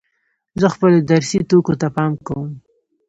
زه خپلو درسي توکو ته پام کوم.